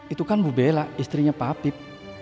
itu kan bu bella istrinya papip